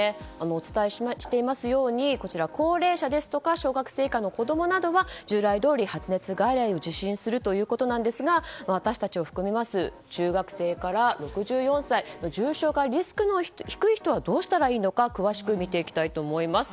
お伝えしていますように高齢者ですとか小学生以下の子供などが従来どおり、発熱外来を受診するということですが私たちを含めた中学生から６４歳の重症化リスクの低い人はどうしたらいいのか詳しく見ていきたいと思います。